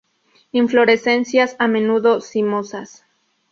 Inflorescencias a menudo cimosas.